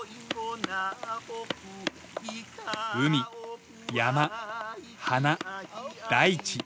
海山花大地。